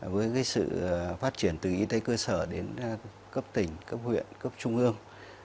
với sự phát triển từ y tế cơ sở đến cấp tỉnh cấp huyện cấp trung ương